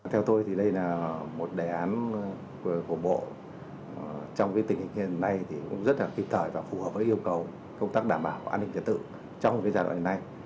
theo tôi thì đây là một đề án của bộ trong tình hình hiện nay thì cũng rất là kịp thời và phù hợp với yêu cầu công tác đảm bảo an ninh trật tự trong giai đoạn này